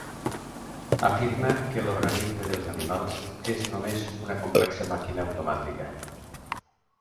Afirma que l'organisme dels animals és només una complexa màquina automàtica.